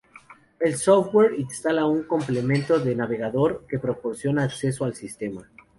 El software instala un complemento de navegador que proporciona acceso al sistema.